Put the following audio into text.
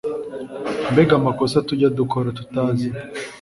mbegamakosa tujya dukora tutazi